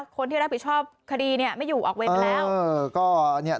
คนที่รับผิดชอบคดีไม่อยู่ออกเวรไปแล้ว